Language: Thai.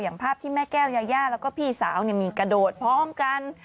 ภาพที่แม่แก้วยายาแล้วก็พี่สาวมีกระโดดพร้อมกัน